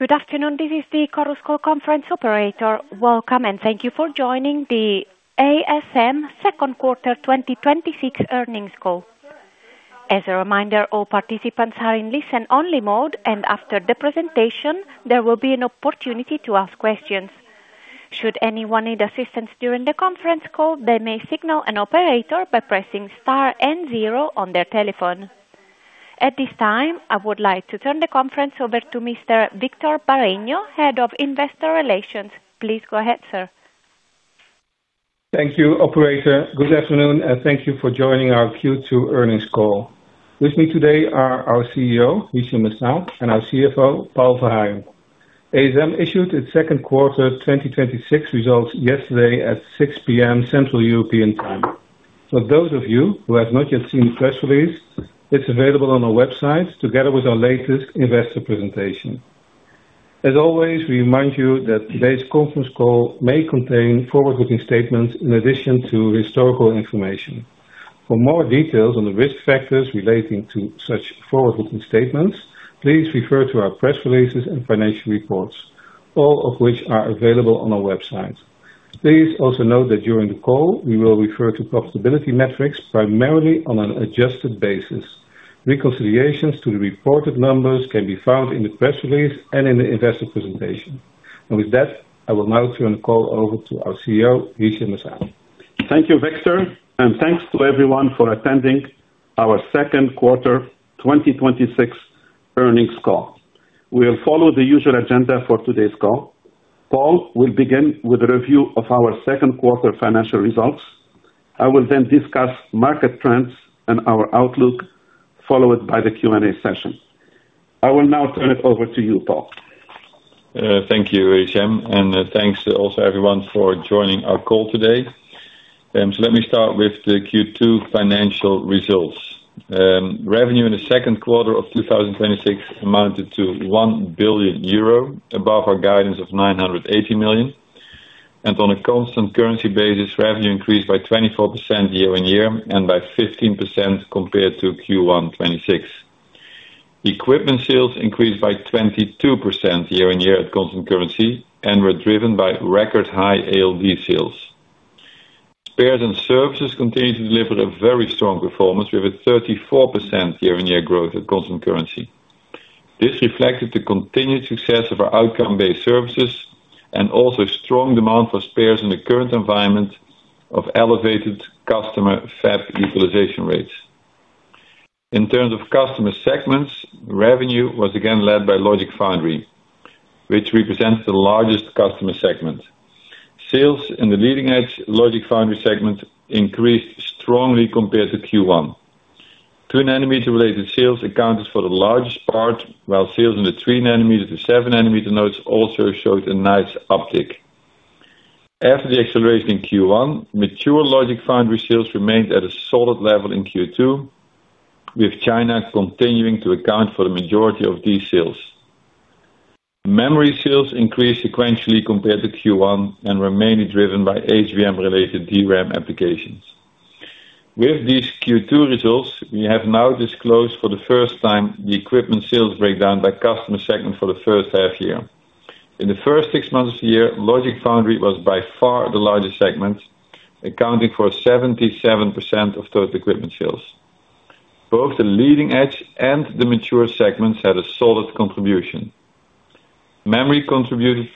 Good afternoon. This is the Chorus Call conference operator. Welcome and thank you for joining the ASM second quarter 2026 earnings call. As a reminder, all participants are in listen-only mode and after the presentation, there will be an opportunity to ask questions. Should anyone need assistance during the conference call, they may signal an operator by pressing star and zero on their telephone. At this time, I would like to turn the conference over to Mr. Victor Bareño, Head of Investor Relations. Please go ahead, sir. Thank you, operator. Good afternoon and thank you for joining our Q2 earnings call. With me today are our CEO, Hichem M'Saad, and our CFO, Paul Verhagen. ASM issued its second quarter 2026 results yesterday at 6:00 P.M. Central European Time. For those of you who have not yet seen the press release, it is available on our website together with our latest investor presentation. As always, we remind you that today's conference call may contain forward-looking statements in addition to historical information. For more details on the risk factors relating to such forward-looking statements, please refer to our press releases and financial reports, all of which are available on our website. Please also note that during the call we will refer to profitability metrics primarily on an adjusted basis. Reconciliations to the reported numbers can be found in the press release and in the investor presentation. With that, I will now turn the call over to our CEO, Hichem M'Saad. Thank you, Victor, and thanks to everyone for attending our second quarter 2026 earnings call. We will follow the usual agenda for today's call. Paul will begin with a review of our second quarter financial results. I will then discuss market trends and our outlook, followed by the Q&A session. I will now turn it over to you, Paul. Thank you, Hichem, and thanks also everyone for joining our call today. Let me start with the Q2 financial results. Revenue in the second quarter of 2026 amounted to 1 billion euro above our guidance of 980 million. On a constant currency basis, revenue increased by 24% year-on-year and by 15% compared to Q1 2026. Equipment sales increased by 22% year-on-year at constant currency and were driven by record high ALD sales. Spares & Services continued to deliver a very strong performance with a 34% year-on-year growth at constant currency. This reflected the continued success of our outcome-based services and also strong demand for spares in the current environment of elevated customer fab utilization rates. In terms of customer segments, revenue was again led by Logic Foundry, which represents the largest customer segment. Sales in the leading-edge Logic Foundry segment increased strongly compared to Q1. 2nm-related sales accounted for the largest part, while sales in the 3nm to 7nm nodes also showed a nice uptick. After the acceleration in Q1, mature Logic Foundry sales remained at a solid level in Q2, with China continuing to account for the majority of these sales. Memory sales increased sequentially compared to Q1 and were mainly driven by HBM-related DRAM applications. With these Q2 results, we have now disclosed for the first time the equipment sales breakdown by customer segment for the first half year. In the first six months of the year, Logic Foundry was by far the largest segment, accounting for 77% of total equipment sales. Both the leading edge and the mature segments had a solid contribution. Memory contributed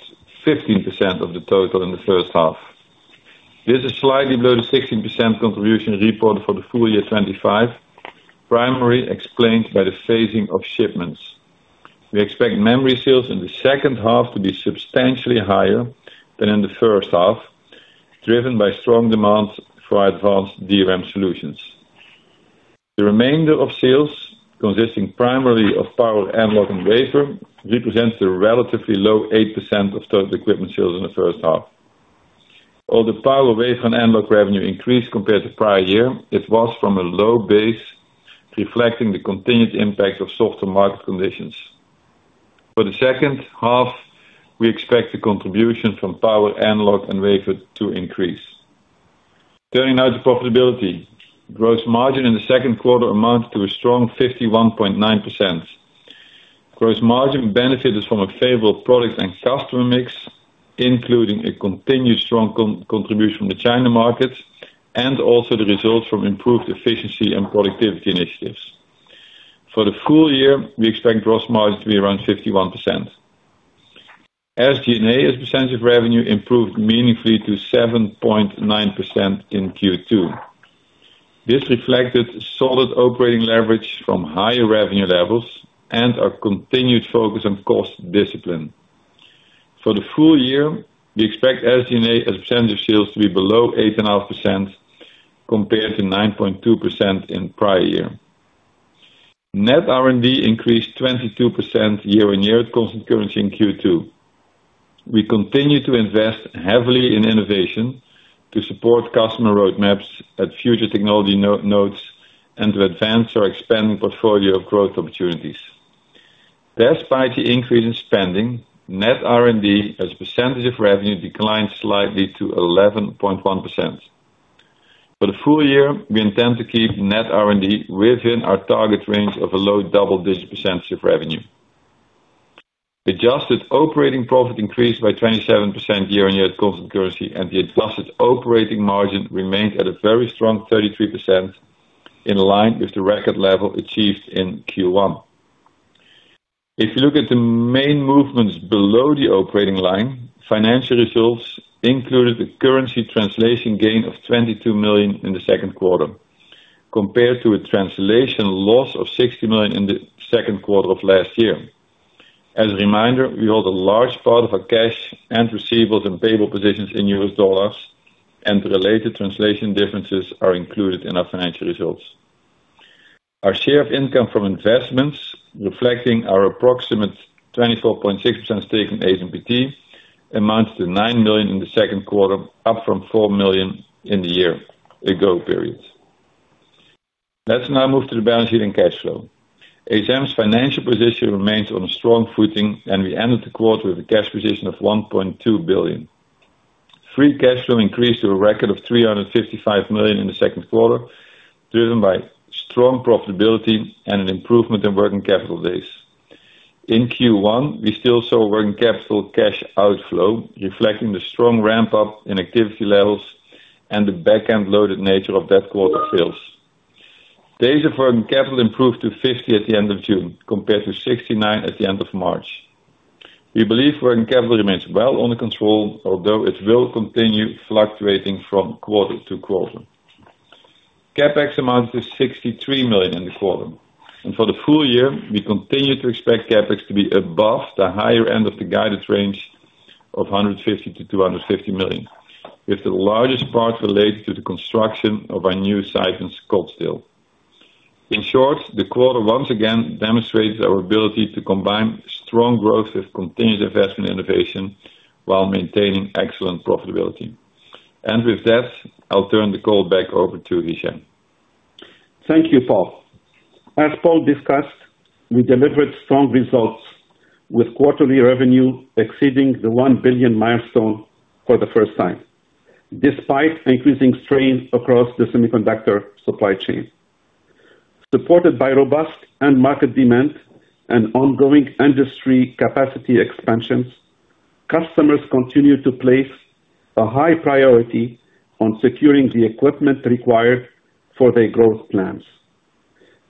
15% of the total in the first half. This is slightly below the 16% contribution reported for the full year 2025, primarily explained by the phasing of shipments. We expect memory sales in the second half to be substantially higher than in the first half, driven by strong demand for advanced DRAM solutions. The remainder of sales, consisting primarily of power, analog, and wafer, represents the relatively low 8% of total equipment sales in the first half. Although power, analog, and wafer revenue increased compared to prior year, it was from a low base, reflecting the continued impact of softer market conditions. For the second half, we expect the contribution from power, analog, and wafer to increase. Turning now to profitability. Gross margin in the second quarter amounted to a strong 51.9%. Gross margin benefited from a favorable product and customer mix, including a continued strong contribution from the China market, also the results from improved efficiency and productivity initiatives. For the full year, we expect gross margin to be around 51%. SG&A as a percentage of revenue improved meaningfully to 7.9% in Q2. This reflected solid operating leverage from higher revenue levels and our continued focus on cost discipline. For the full year, we expect SG&A as a percentage of sales to be below 8.5% compared to 9.2% in prior year. Net R&D increased 22% year-on-year at constant currency in Q2. We continue to invest heavily in innovation to support customer roadmaps at future technology nodes and to advance our expanding portfolio of growth opportunities. Despite the increase in spending, net R&D as a percentage of revenue declined slightly to 11.1%. For the full year, we intend to keep net R&D within our target range of a low double-digit percentage of revenue. Adjusted operating profit increased by 27% year-on-year at constant currency, and the adjusted operating margin remained at a very strong 33%, in line with the record level achieved in Q1. If you look at the main movements below the operating line, financial results included the currency translation gain of 22 million in the second quarter, compared to a translation loss of 60 million in the second quarter of last year. As a reminder, we hold a large part of our cash and receivables and payable positions in US dollars, and related translation differences are included in our financial results. Our share of income from investments, reflecting our approximate 24.6% stake in ASMPT, amounted to 9 million in the second quarter, up from 4 million in the year-ago period. Let's now move to the balance sheet and cash flow. ASM's financial position remains on a strong footing, and we ended the quarter with a cash position of 1.2 billion. Free cash flow increased to a record of 355 million in the second quarter, driven by strong profitability and an improvement in working capital days. In Q1, we still saw working capital cash outflow reflecting the strong ramp-up in activity levels and the back-end loaded nature of that quarter sales. Days of working capital improved to 50 at the end of June compared to 69 at the end of March. We believe working capital remains well under control, although it will continue fluctuating from quarter to quarter. CapEx amounts to 63 million in the quarter. For the full year, we continue to expect CapEx to be above the higher end of the guidance range of 150 million-250 million, with the largest part related to the construction of our new site in Scottsdale. In short, the quarter once again demonstrates our ability to combine strong growth with continuous investment innovation while maintaining excellent profitability. With that, I'll turn the call back over to Hichem. Thank you, Paul. As Paul discussed, we delivered strong results with quarterly revenue exceeding the 1 billion milestone for the first time, despite increasing strain across the semiconductor supply chain. Supported by robust end market demand and ongoing industry capacity expansions, customers continue to place a high priority on securing the equipment required for their growth plans.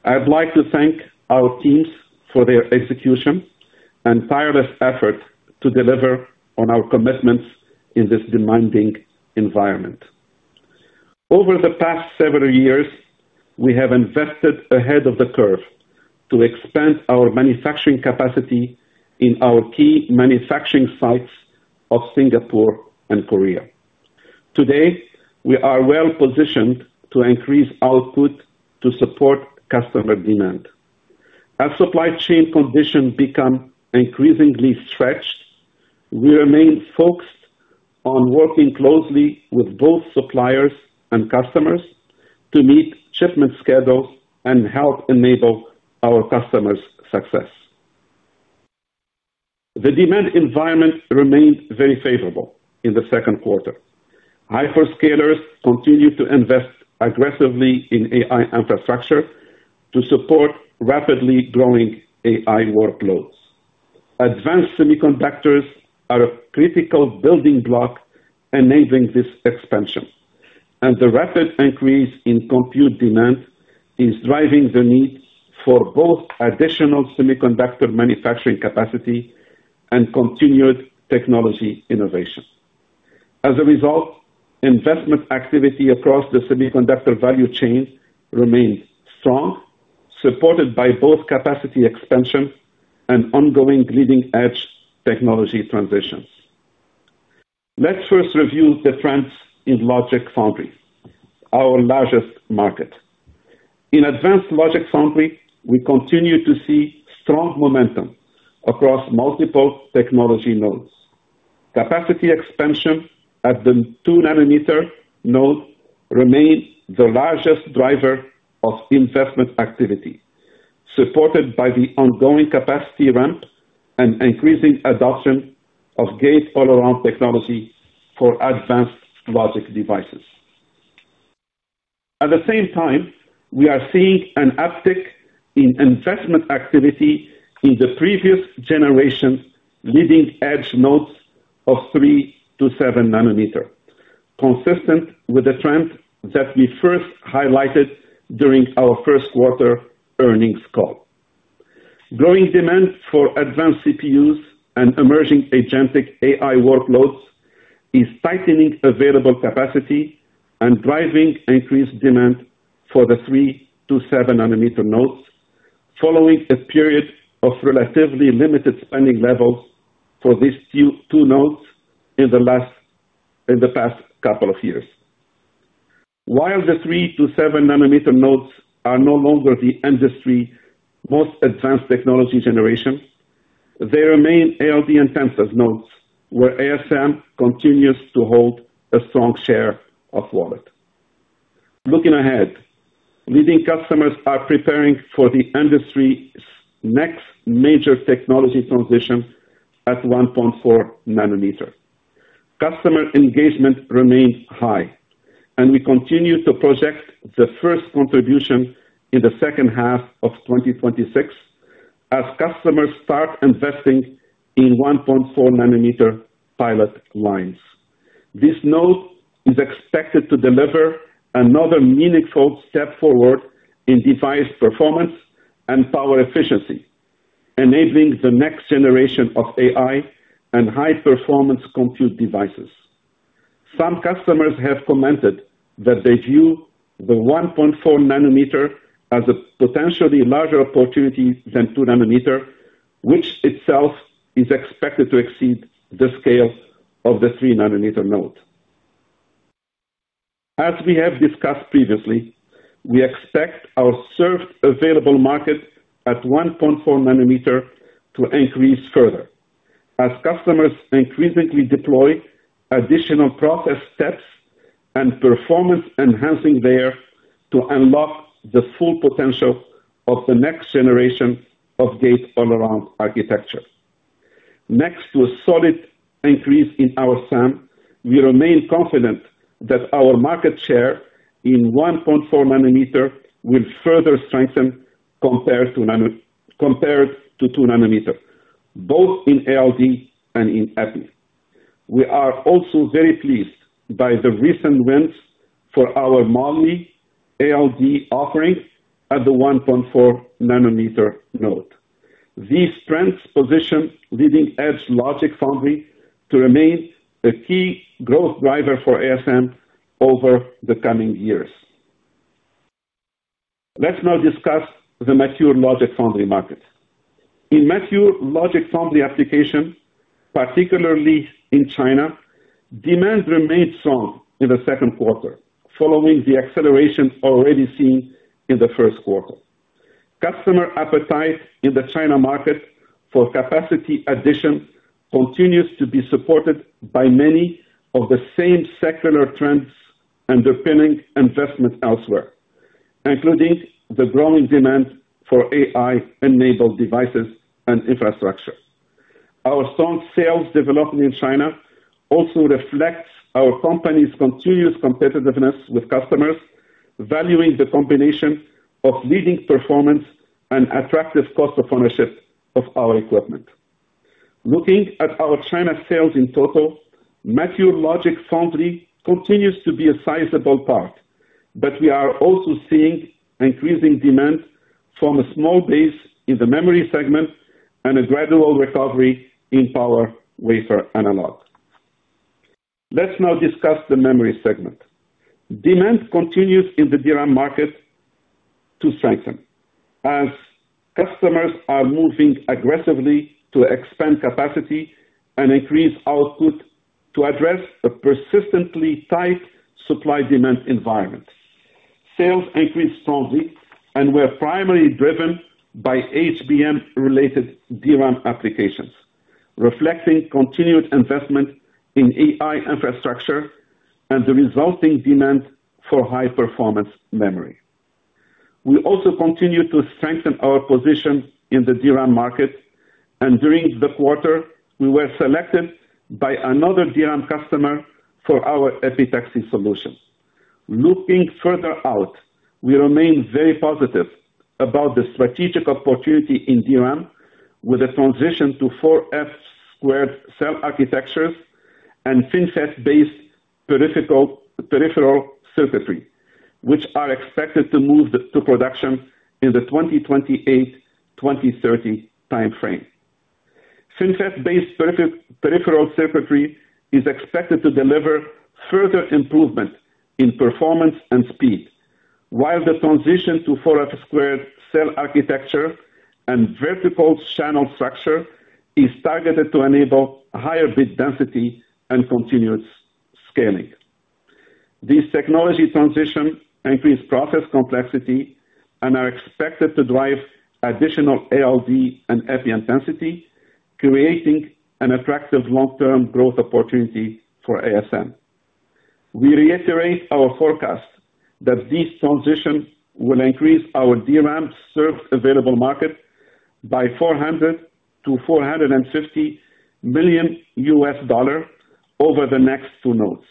I'd like to thank our teams for their execution and tireless effort to deliver on our commitments in this demanding environment. Over the past several years, we have invested ahead of the curve to expand our manufacturing capacity in our key manufacturing sites of Singapore and Korea. Today, we are well positioned to increase output to support customer demand. As supply chain conditions become increasingly stretched, we remain focused on working closely with both suppliers and customers to meet shipment schedules and help enable our customers' success. The demand environment remained very favorable in the second quarter. Hyperscalers continue to invest aggressively in AI infrastructure to support rapidly growing AI workloads. Advanced semiconductors are a critical building block enabling this expansion, and the rapid increase in compute demand is driving the need for both additional semiconductor manufacturing capacity and continued technology innovation. As a result, investment activity across the semiconductor value chain remains strong, supported by both capacity expansion and ongoing leading-edge technology transitions. Let's first review the trends in logic foundry, our largest market. In advanced logic foundry, we continue to see strong momentum across multiple technology nodes. Capacity expansion at the 2nm nodes remains the largest driver of investment activity, supported by the ongoing capacity ramp and increasing adoption of gate-all-around technology for advanced logic devices. At the same time, we are seeing an uptick in investment activity in the previous generation leading-edge nodes of 3nm to 7nm, consistent with the trend that we first highlighted during our first quarter earnings call. Growing demand for advanced CPUs and emerging agentic AI workloads is tightening available capacity and driving increased demand for the 3nm to 7nm nodes, following a period of relatively limited spending levels for these 2 nodes in the past couple of years. While the 3nm to 7nm nodes are no longer the industry most advanced technology generation, they remain ALD intensive nodes where ASM continues to hold a strong share of wallet. Looking ahead, leading customers are preparing for the industry's next major technology transition at 1.4nm. Customer engagement remains high, and we continue to project the first contribution in the second half of 2026 as customers start investing in 1.4nm pilot lines. This node is expected to deliver another meaningful step forward in device performance and power efficiency, enabling the next generation of AI and high-performance compute devices. Some customers have commented that they view the 1.4nm as a potentially larger opportunity than 2nm, which itself is expected to exceed the scale of the 3nm node. As we have discussed previously, we expect our served available market at 1.4nm to increase further as customers increasingly deploy additional process steps and performance enhancing there to unlock the full potential of the next generation of gate-all-around architecture. Next to a solid increase in our SAM, we remain confident that our market share in 1.4nm will further strengthen compared to 2nm, both in ALD and in EPI. We are also very pleased by the recent wins for our moly ALD offering at the 1.4nm node. These strengths position leading-edge logic foundry to remain a key growth driver for ASM over the coming years. Let's now discuss the mature logic foundry market. In mature logic foundry application, particularly in China, demand remained strong in the second quarter, following the acceleration already seen in the first quarter. Customer appetite in the China market for capacity addition continues to be supported by many of the same secular trends underpinning investment elsewhere, including the growing demand for AI-enabled devices and infrastructure. Our strong sales development in China also reflects our company's continuous competitiveness with customers, valuing the combination of leading performance and attractive cost of ownership of our equipment. Looking at our China sales in total, mature Logic Foundry continues to be a sizable part, but we are also seeing increasing demand from a small base in the memory segment and a gradual recovery in Power Wafer Analog. Let's now discuss the memory segment. Demand continues in the DRAM market to strengthen as customers are moving aggressively to expand capacity and increase output to address the persistently tight supply-demand environment. Sales increased strongly and were primarily driven by HBM-related DRAM applications, reflecting continued investment in AI infrastructure and the resulting demand for high-performance memory. We also continue to strengthen our position in the DRAM market, and during the quarter, we were selected by another DRAM customer for our epitaxy solution. Looking further out, we remain very positive about the strategic opportunity in DRAM with a transition to 4F squared cell architectures and FinFET-based peripheral circuitry, which are expected to move to production in the 2028, 2030 timeframe. FinFET-based peripheral circuitry is expected to deliver further improvement in performance and speed. The transition to 4F squared cell architecture and vertical channel structure is targeted to enable higher bit density and continuous scaling. These technology transition increase process complexity and are expected to drive additional ALD and EPI intensity, creating an attractive long-term growth opportunity for ASM. We reiterate our forecast that this transition will increase our DRAM served available market by EUR 400 million-EUR 450 million over the next two nodes.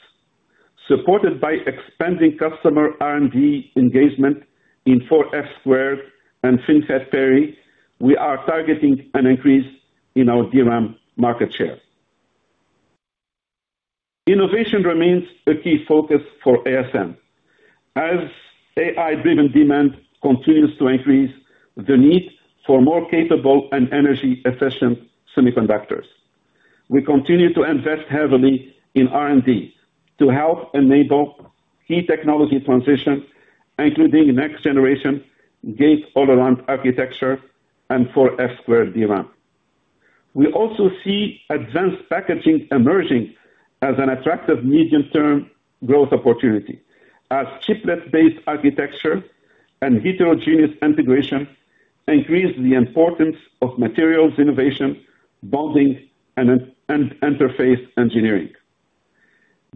Supported by expanding customer R&D engagement in 4F squared and FinFET Peri, we are targeting an increase in our DRAM market share. Innovation remains a key focus for ASM. AI-driven demand continues to increase the need for more capable and energy-efficient semiconductors, we continue to invest heavily in R&D to help enable key technology transition, including next generation gate-all-around architecture, and 4F squared DRAM. We also see advanced packaging emerging as an attractive medium-term growth opportunity as chiplet-based architecture and heterogeneous integration increase the importance of materials innovation, bonding, and interface engineering.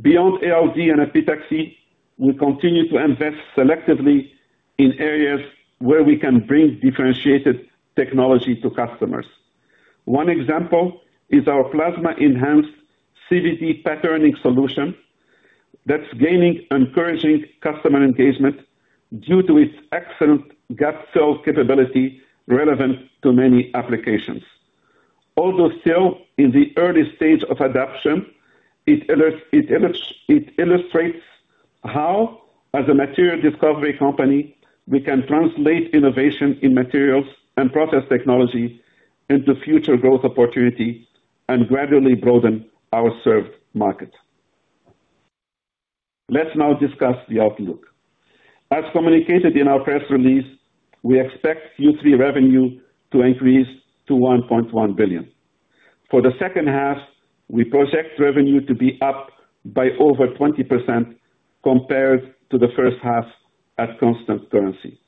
Beyond ALD and Epitaxy, we continue to invest selectively in areas where we can bring differentiated technology to customers. One example is our plasma-enhanced CVD patterning solution that's gaining encouraging customer engagement due to its excellent gap-fill capability relevant to many applications. Still in the early stage of adoption, it illustrates how, as a material discovery company, we can translate innovation in materials and process technology into future growth opportunities and gradually broaden our served market. Let's now discuss the outlook. Communicated in our press release, we expect Q3 revenue to increase to 1.1 billion. For the second half, we project revenue to be up by over 20% compared to the first half at constant currency.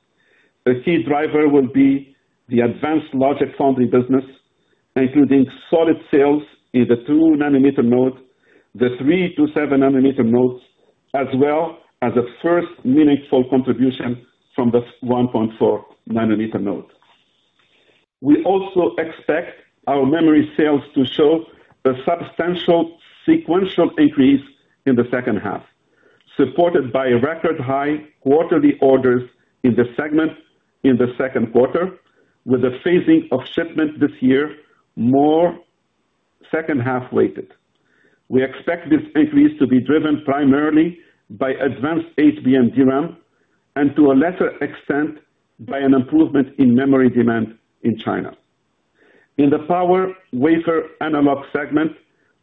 The key driver will be the advanced Logic Foundry business, including solid sales in the 2nm node, the three to 7nm nodes, as well as a first meaningful contribution from the 1.4nm node. We also expect our memory sales to show a substantial sequential increase in the second half, supported by record high quarterly orders in the segment in the second quarter, with the phasing of shipment this year more second-half weighted. We expect this increase to be driven primarily by advanced HBM DRAM, and to a lesser extent, by an improvement in memory demand in China. In the Power Wafer Analog segment,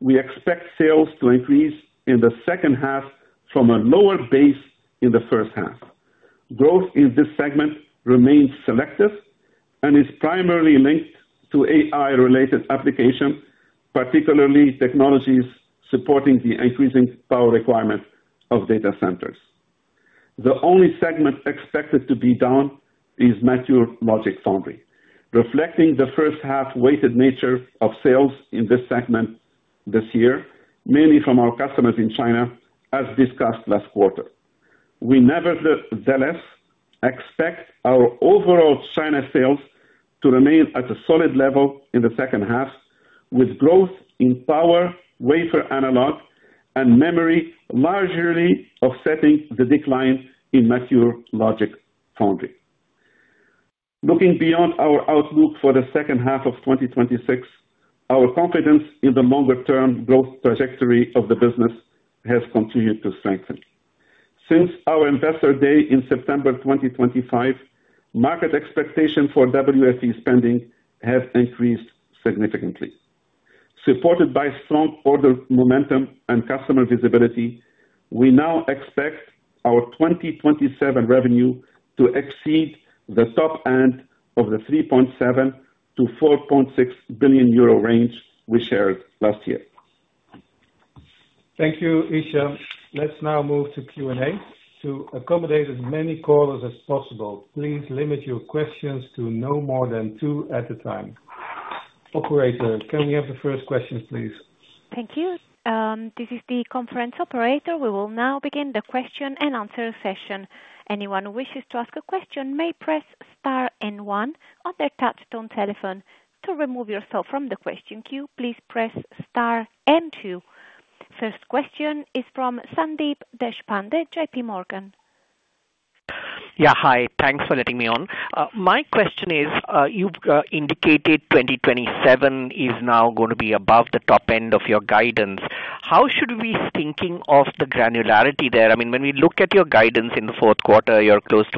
we expect sales to increase in the second half from a lower base in the first half. Growth in this segment remains selective and is primarily linked to AI-related applications, particularly technologies supporting the increasing power requirements of data centers. The only segment expected to be down is mature logic/foundry, reflecting the first half-weighted nature of sales in this segment this year, mainly from our customers in China, as discussed last quarter. We nevertheless expect our overall China sales to remain at a solid level in the second half, with growth in Power Wafer Analog, and memory largely offsetting the decline in mature logic/foundry. Looking beyond our outlook for the second half of 2026, our confidence in the longer-term growth trajectory of the business has continued to strengthen. Since our Investor Day in September 2025, market expectation for WFE spending has increased significantly. Supported by strong order momentum and customer visibility, we now expect our 2027 revenue to exceed the top end of the 3.7 billion-4.6 billion euro range we shared last year. Thank you, Hichem. Let's now move to Q&A. To accommodate as many callers as possible, please limit your questions to no more than two at a time. Operator, can we have the first question, please? Thank you. This is the conference operator. We will now begin the question-and-answer session. Anyone who wishes to ask a question may press star and one on their touch-tone telephone. To remove yourself from the question queue, please press star and two. First question is from Sandeep Deshpande, JPMorgan. Yeah. Hi, thanks for letting me on. My question is, you've indicated 2027 is now going to be above the top end of your guidance. How should we be thinking of the granularity there? When we look at your guidance in the fourth quarter, you're looking at,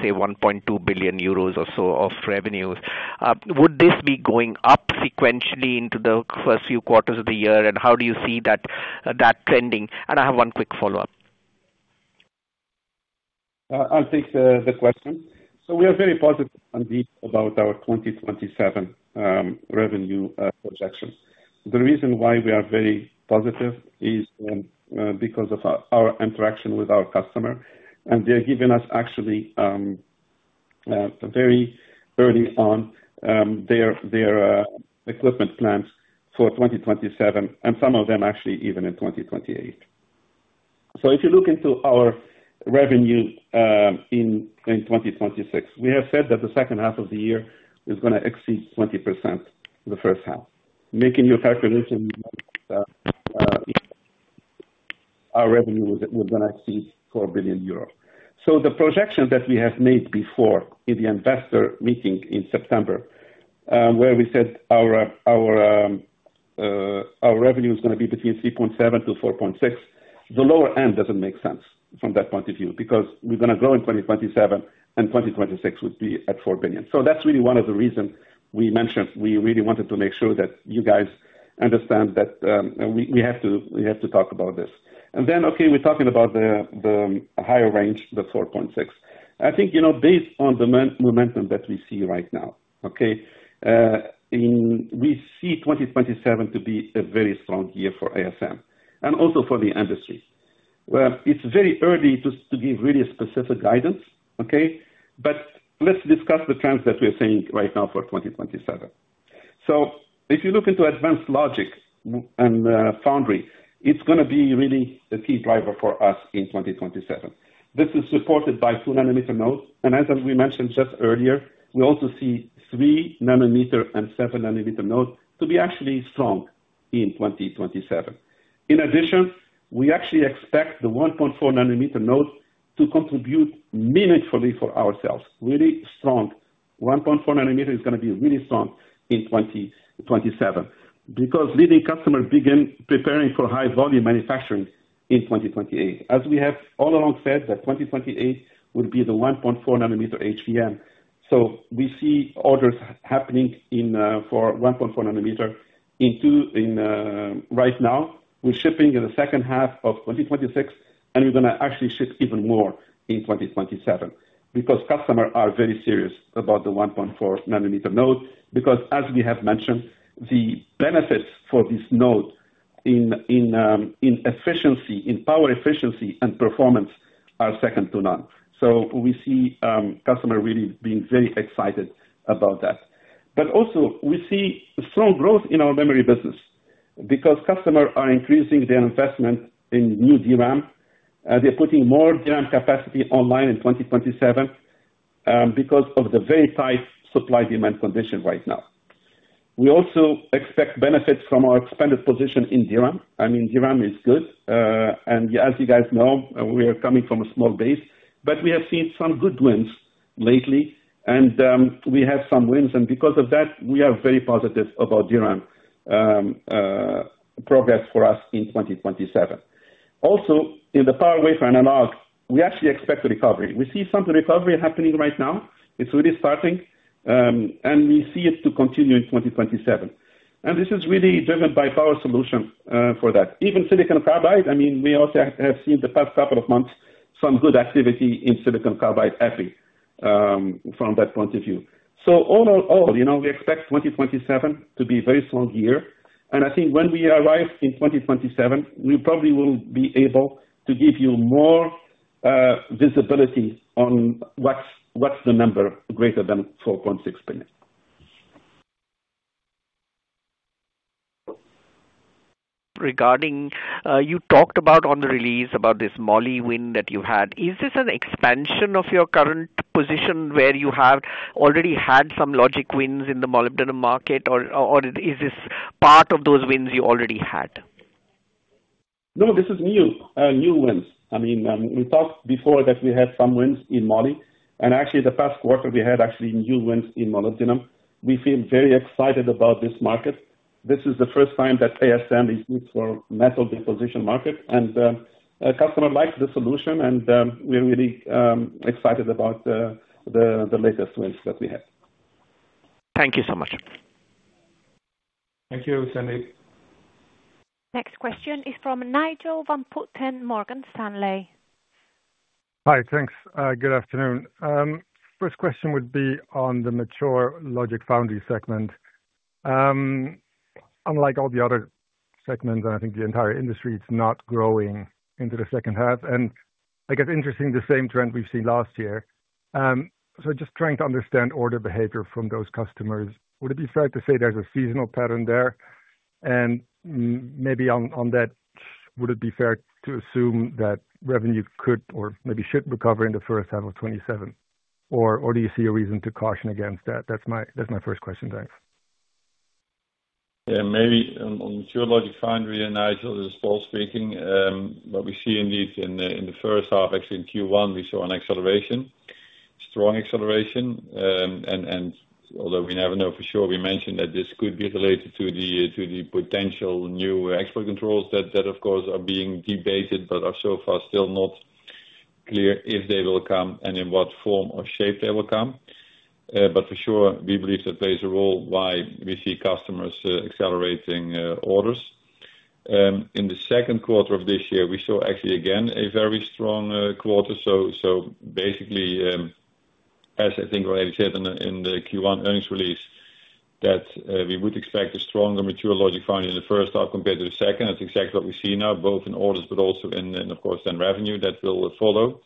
say, 1.2 billion euros or so of revenues. Would this be going up sequentially into the first few quarters of the year, and how do you see that trending? I have one quick follow-up. I'll take the question. We are very positive, Sandeep, about our 2027 revenue projections. The reason why we are very positive is because of our interaction with our customer, and they're giving us actually very early on their equipment plans for 2027, and some of them actually even in 2028. If you look into our revenue in 2026, we have said that the second half of the year is going to exceed 20% the first half. Making your calculation, our revenue, we're going to exceed 4 billion euros. The projection that we have made before in the investor meeting in September, where we said our revenue is going to be between 3.7 billion-4.6 billion, the lower end doesn't make sense from that point of view, because we're going to grow in 2027, and 2026 would be at 4 billion. That's really one of the reasons we mentioned we really wanted to make sure that you guys understand that we have to talk about this. Okay, we're talking about the higher range, the 4.6 billion. I think based on demand momentum that we see right now, okay? We see 2027 to be a very strong year for ASM and also for the industry. Well, it's very early to give really specific guidance, okay? Let's discuss the trends that we are seeing right now for 2027. If you look into advanced logic and foundry, it's going to be really the key driver for us in 2027. This is supported by 2nm nodes. As we mentioned just earlier, we also see 3nm and 7nm nodes to be actually strong in 2027. In addition, we actually expect the 1.4nm node to contribute meaningfully for ourselves. Really strong. 1.4nm is going to be really strong in 2027 because leading customers begin preparing for high volume manufacturing in 2028, as we have all along said that 2028 will be the 1.4nm HVM. We see orders happening for 1.4nm right now. We're shipping in the second half of 2026, and we're going to actually ship even more in 2027 because customers are very serious about the 1.4nm node, because as we have mentioned, the benefits for this node in power efficiency and performance are second to none. We see customers really being very excited about that. Also we see strong growth in our memory business because customers are increasing their investment in new DRAM. They're putting more DRAM capacity online in 2027 because of the very tight supply demand condition right now. We also expect benefits from our expanded position in DRAM. I mean, DRAM is good. As you guys know, we are coming from a small base, but we have seen some good wins lately and we have some wins. Because of that, we are very positive about DRAM progress for us in 2027. Also, in the power/wafer/analog, we actually expect a recovery. We see some recovery happening right now. It's really starting. We see it to continue in 2027. This is really driven by power solution for that. Even silicon carbide, we also have seen the past couple of months, some good activity in silicon carbide epitaxy from that point of view. All in all, we expect 2027 to be a very strong year. I think when we arrive in 2027, we probably will be able to give you more visibility on what's the number greater than 4.6 billion. Regarding, you talked about on the release about this moly win that you had. Is this an expansion of your current position where you have already had some logic wins in the molybdenum market, or is this part of those wins you already had? No, this is new. New wins. We talked before that we had some wins in moly, actually the past quarter we had actually new wins in molybdenum. We feel very excited about this market. This is the first time that ASM is used for metal deposition market. Customer likes the solution and we are really excited about the latest wins that we have. Thank you so much. Thank you, Sandeep. Next question is from Nigel van Putten, Morgan Stanley. Hi. Thanks. Good afternoon. First question would be on the mature logic foundry segment. Unlike all the other segments, and I think the entire industry, it's not growing into the second half. I guess interesting, the same trend we've seen last year. Just trying to understand order behavior from those customers. Would it be fair to say there's a seasonal pattern there? Maybe on that, would it be fair to assume that revenue could or maybe should recover in the first half of 2027? Or do you see a reason to caution against that? That's my first question. Thanks. Yeah. Maybe on logic/foundry, Nigel, this is Paul speaking. What we see indeed in the first half, actually in Q1, we saw an acceleration. Strong acceleration. Although we never know for sure, we mentioned that this could be related to the potential new export controls. Of course are being debated, but are so far still not clear if they will come and in what form or shape they will come. For sure, we believe that plays a role why we see customers accelerating orders. In the second quarter of this year, we saw actually again a very strong quarter. Basically, as I think we already said in the Q1 earnings release, that we would expect a stronger mature logic/foundry in the first half compared to the second. That's exactly what we see now, both in orders, also in of course then revenue that will follow.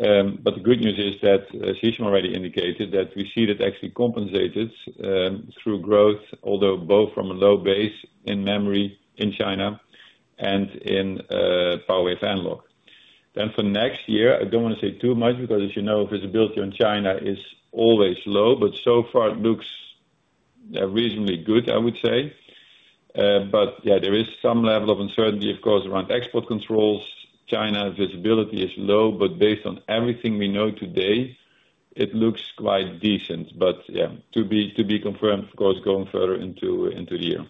The good news is that Hichem already indicated that we see that actually compensated through growth, although both from a low base in memory in China and in power/wafer/analog. For next year, I don't want to say too much because as you know, visibility on China is always low, so far it looks reasonably good, I would say. Yeah, there is some level of uncertainty, of course, around export controls. China visibility is low, based on everything we know today, it looks quite decent. Yeah, to be confirmed, of course, going further into the year.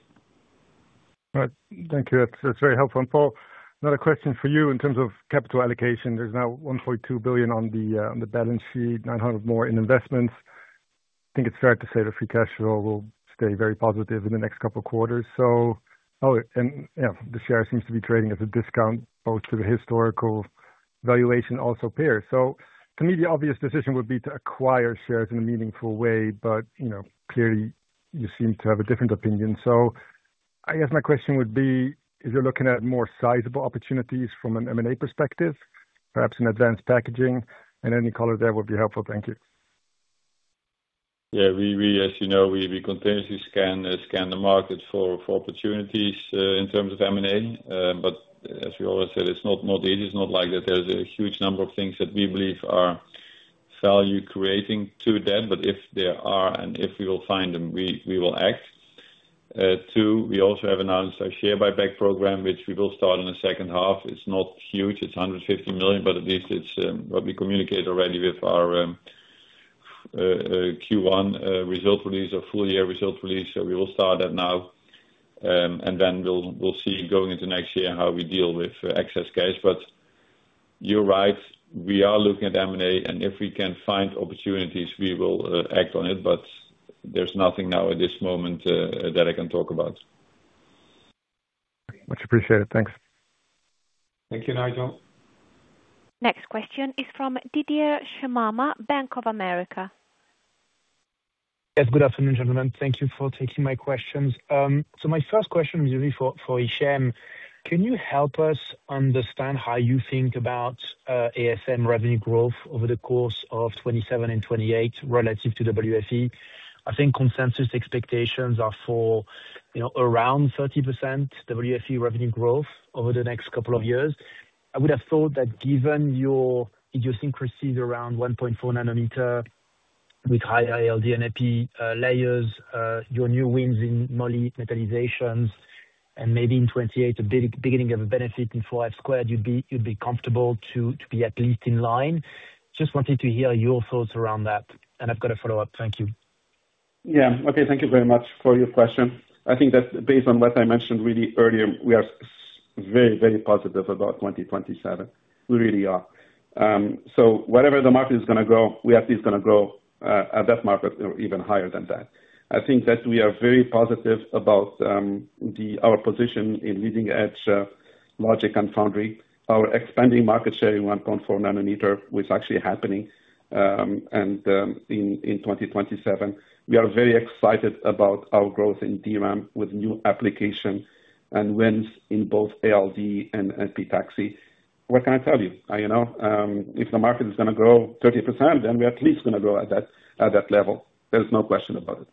Right. Thank you. That's very helpful. Paul, another question for you in terms of capital allocation. There's now 1.2 billion on the balance sheet, 900 more in investments. I think it's fair to say the free cash flow will stay very positive in the next couple of quarters. The share seems to be trading at a discount both to the historical valuation also peers. To me, the obvious decision would be to acquire shares in a meaningful way, clearly you seem to have a different opinion. I guess my question would be, is it looking at more sizable opportunities from an M&A perspective, perhaps in advanced packaging? Any color there would be helpful. Thank you. Yeah. As you know, we continuously scan the market for opportunities in terms of M&A. As we always said, it's not like that there's a huge number of things that we believe are value-creating to them. If there are, and if we will find them, we will act. Two. We also have announced our share buyback program, which we will start in the second half. It's not huge, it's 150 million, at least it's what we communicate already with our Q1 result release or full year result release. We will start that now, then we'll see going into next year how we deal with excess cash. You're right, we are looking at M&A, and if we can find opportunities, we will act on it. There's nothing now at this moment that I can talk about. Much appreciated. Thanks. Thank you, Nigel. Next question is from Didier Scemama, Bank of America. Good afternoon, gentlemen. Thank you for taking my questions. My first question is really for Hichem. Can you help us understand how you think about ASM revenue growth over the course of 2027 and 2028 relative to WFE? I think consensus expectations are for around 30% WFE revenue growth over the next couple of years. I would have thought that given your idiosyncrasies around 1.4nm with high ALD and EPI layers, your new wins in moly metallizations, and maybe in 2028, the beginning of a benefit in 4F squared, you'd be comfortable to be at least in line. Just wanted to hear your thoughts around that. I've got a follow-up. Thank you. Yeah. Okay, thank you very much for your question. I think that based on what I mentioned really earlier, we are very positive about 2027. We really are. Wherever the market is going to grow, we are at least going to grow at that market or even higher than that. I think that we are very positive about our position in leading-edge logic and foundry, our expanding market share in 1.4nm, which is actually happening, and in 2027. We are very excited about our growth in DRAM with new application and wins in both ALD and epitaxy. What can I tell you? If the market is going to grow 30%, we are at least going to grow at that level. There's no question about it.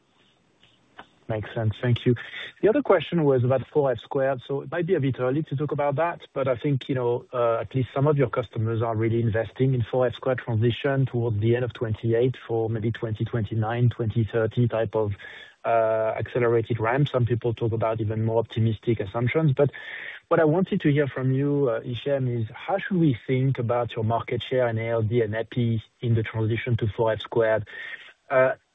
Makes sense. Thank you. The other question was about 4F squared, it might be a bit early to talk about that, but I think at least some of your customers are really investing in 4F squared transition towards the end of 2028 for maybe 2029, 2030 type of accelerated ramp. Some people talk about even more optimistic assumptions. What I wanted to hear from you, Hichem, is how should we think about your market share in ALD and EPI in the transition to 4F squared?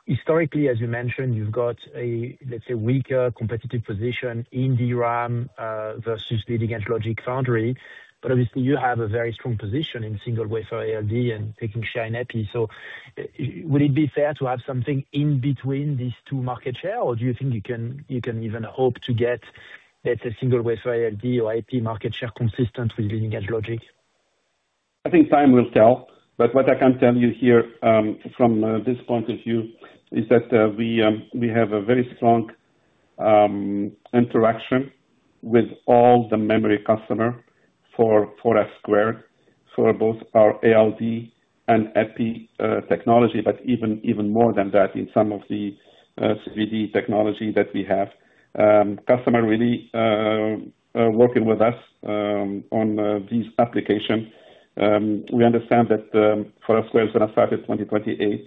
Historically, as you mentioned, you've got a, let's say, weaker competitive position in DRAM versus leading-edge logic foundry. Obviously you have a very strong position in single wafer ALD and taking share in EPI. Would it be fair to have something in between these two market share, or do you think you can even hope to get, let's say, single wafer ALD or EPI market share consistent with leading-edge logic? I think time will tell, but what I can tell you here from this point of view is that we have a very strong interaction with all the memory customer for 4F squared for both our ALD and EPI technology. Even more than that, in some of the 3D technology that we have. Customer really working with us on these application. We understand that 4F squared is going to start at 2028,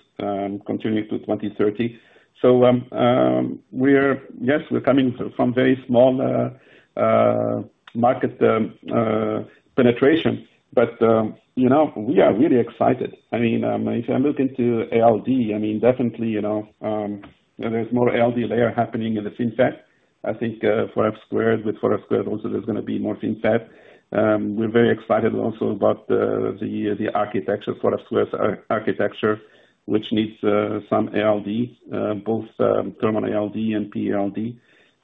continuing to 2030. Yes, we're coming from very small market penetration, we are really excited. If I look into ALD, definitely there's more ALD layer happening in the FinFET. I think with 4F squared also there's going to be more FinFET. We're very excited also about the architecture, 4F squared architecture, which needs some ALD, both Thermal ALD and PE-ALD.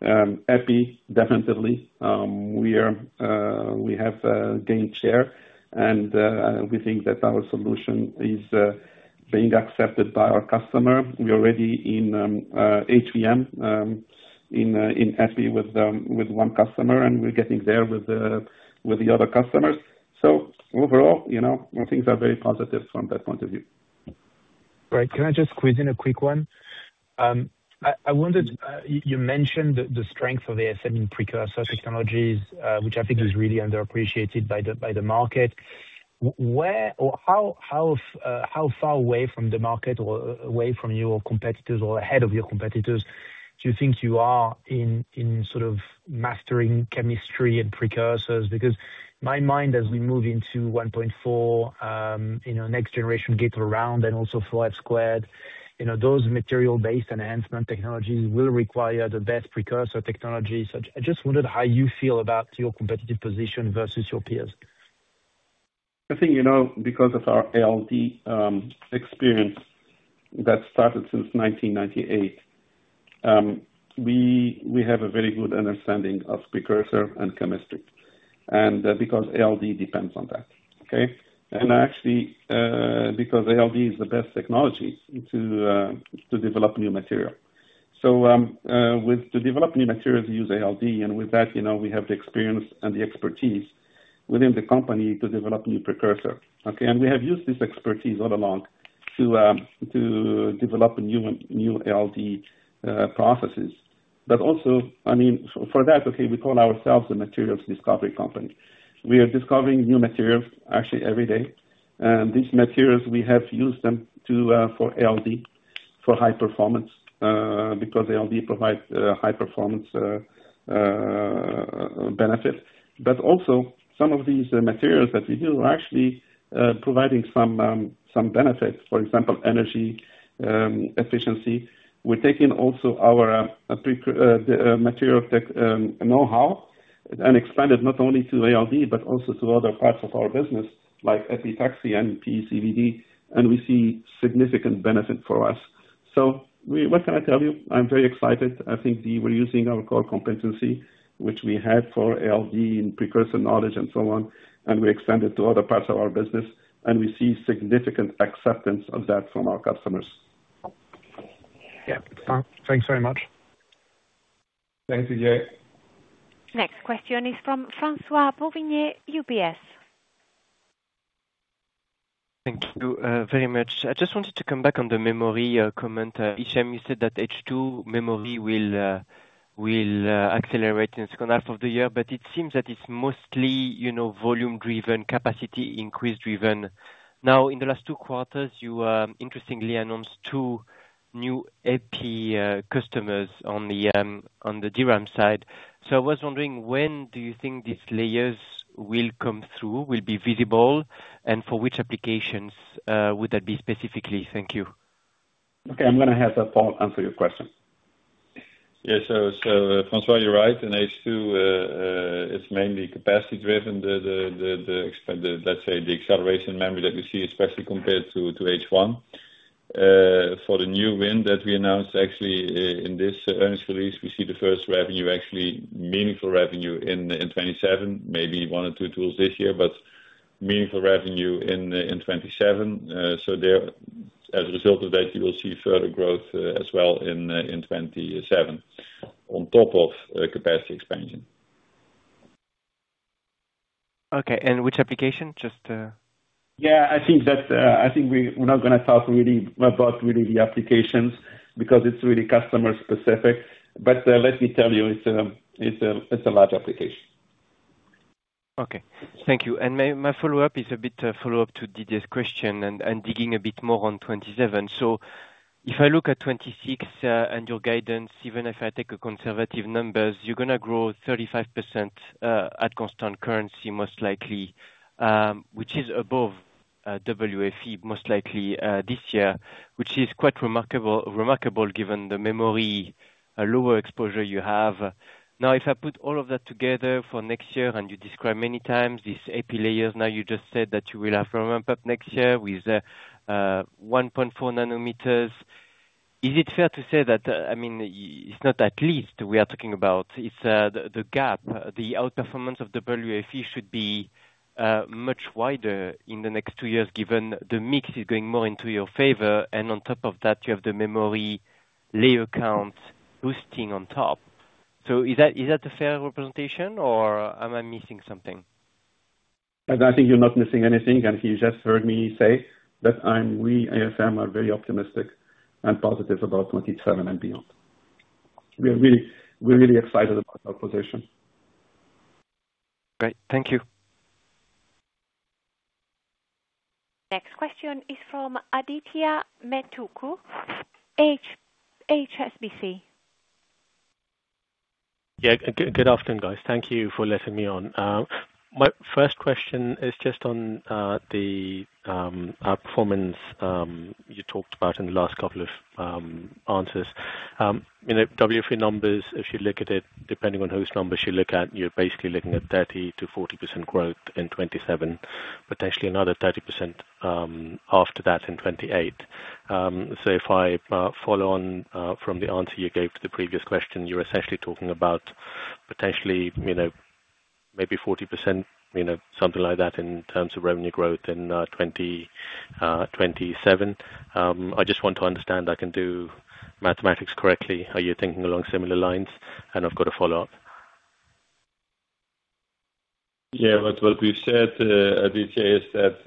EPI, definitely. We have gained share. We think that our solution is being accepted by our customer. We are already in HVM in EPI with one customer. We are getting there with the other customers. Overall, things are very positive from that point of view. Great. Can I just squeeze in a quick one? I wondered, you mentioned the strength of ASM in precursor technologies, which I think is really underappreciated by the market. Where or how far away from the market or away from your competitors or ahead of your competitors do you think you are in sort of mastering chemistry and precursors? My mind as we move into 1.4, next generation gate-all-around and also 4F squared, those material-based enhancement technologies will require the best precursor technology. I just wondered how you feel about your competitive position versus your peers. I think because of our ALD experience that started since 1998, we have a very good understanding of precursor and chemistry, because ALD depends on that. Okay? ALD is the best technology to develop new material. To develop new materials, we use ALD. With that we have the experience and the expertise within the company to develop new precursor. Okay? We have used this expertise all along to develop new ALD processes. For that, okay, we call ourselves the materials discovery company. We are discovering new materials actually every day. These materials, we have used them for ALD, for high performance, because ALD provide high-performance benefit. Some of these materials that we use are actually providing some benefit. For example, energy efficiency. We're taking also our material tech knowhow and expand it not only to ALD but also to other parts of our business, like epitaxy and PECVD, and we see significant benefit for us. What can I tell you? I'm very excited. I think we were using our core competency, which we had for ALD and precursor knowledge and so on. We expanded to other parts of our business. We see significant acceptance of that from our customers. Yeah. Thanks very much. Thanks, Didier. Next question is from François Bouvignies at UBS. Thank you very much. I just wanted to come back on the memory comment. Hichem, you said that H2 memory will accelerate in second half of the year, but it seems that it's mostly volume-driven, capacity increase-driven. In the last two quarters, you interestingly announced two new Epi customers on the DRAM side. I was wondering, when do you think these layers will come through, will be visible, and for which applications would that be specifically? Thank you. Okay. I'm gonna have Paul answer your question. Yeah. Francois, you're right. In H2, it's mainly capacity-driven, let's say the acceleration memory that we see, especially compared to H1. For the new win that we announced actually, in this earnings release, we see the first revenue actually, meaningful revenue in 2027. Maybe one or two tools this year, but meaningful revenue in 2027. As a result of that, you will see further growth as well in 2027, on top of capacity expansion. Okay. Which application? Just, Yeah, I think we're not gonna talk really about really the applications because it's really customer specific. Let me tell you, it's a large application. Okay. Thank you. My follow-up is a bit a follow-up to Didier's question and digging a bit more on 2027. If I look at 2026 and your guidance, even if I take a conservative numbers, you're gonna grow 35% at constant currency most likely, which is above WFE most likely this year, which is quite remarkable given the memory lower exposure you have. If I put all of that together for next year and you describe many times these Epi layers, now you just said that you will have a ramp-up next year with 1.4nm. Is it fair to say that, it's not at least we are talking about, it's the gap. The outperformance of WFE should be much wider in the next two years, given the mix is going more into your favor, and on top of that, you have the memory layer count boosting on top. Is that a fair representation or am I missing something? I think you're not missing anything. You just heard me say that we, ASM, are very optimistic and positive about 2027 and beyond. We are really excited about our position. Great. Thank you. Next question is from Adithya Metuku, HSBC. Yeah. Good afternoon, guys. Thank you for letting me on. My first question is just on the outperformance you talked about in the last couple of answers. WFE numbers, if you look at it, depending on whose numbers you look at, you're basically looking at 30%-40% growth in 2027, potentially another 30% after that in 2028. If I follow on from the answer you gave to the previous question, you're essentially talking about potentially maybe 40%, something like that in terms of revenue growth in 2027. I just want to understand I can do mathematics correctly. Are you thinking along similar lines? I've got a follow-up. Yeah. What we've said, Aditya, is that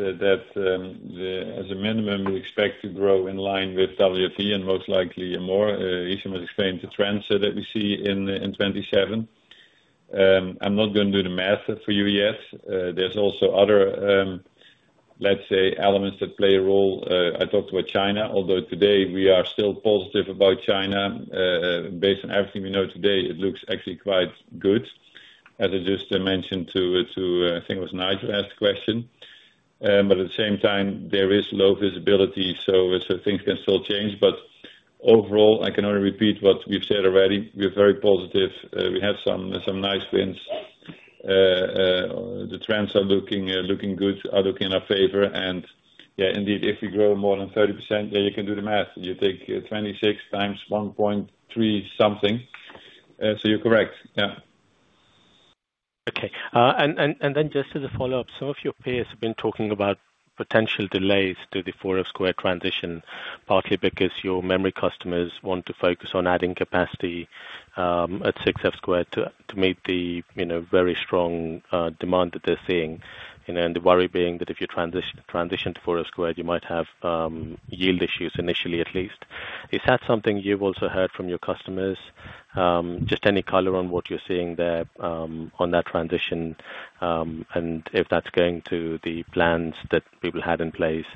as a minimum, we expect to grow in line with WFE and most likely more. Hichem has explained the trends that we see in 2027. I'm not gonna do the math for you yet. There's also other, let's say, elements that play a role. I talked about China, although today we are still positive about China. Based on everything we know today, it looks actually quite good, as I just mentioned to, I think it was Nigel who asked the question. At the same time, there is low visibility, things can still change. Overall, I can only repeat what we've said already. We're very positive. We have some nice wins The trends are looking good, are looking in our favor. Yeah, indeed, if we grow more than 30%, yeah, you can do the math. You take 26x 1.3 something. You're correct. Yeah. Okay. Just as a follow-up, some of your peers have been talking about potential delays to the 4F-squared transition, partly because your memory customers want to focus on adding capacity at 6F-squared to meet the very strong demand that they're seeing. The worry being that if you transition to 4F-squared, you might have yield issues initially, at least. Is that something you've also heard from your customers? Just any color on what you're seeing there on that transition, and if that's going to the plans that people had in place